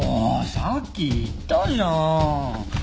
さっき言ったじゃん。